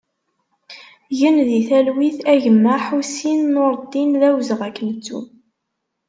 Gen di talwit a gma Ḥassan Nureddin, d awezɣi ad k-nettu!